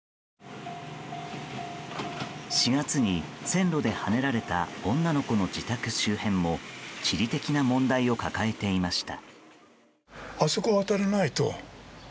４月に線路ではねられた女の子の自宅周辺も地理的な問題を抱えていました。